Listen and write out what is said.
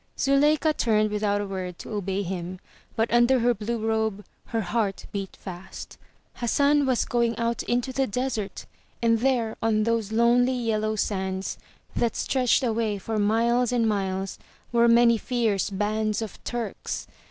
Zuleika turned without a word to obey him, but under her blue robe, her heart beat fast. Hassan was going out into the desert, and there, on those lonely yellow sands, that stretched away for miles and miles, were many fierce bands of Turks.